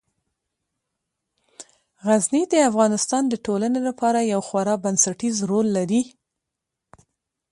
غزني د افغانستان د ټولنې لپاره یو خورا بنسټيز رول لري.